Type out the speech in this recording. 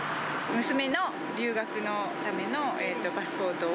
娘の留学のためのパスポートを。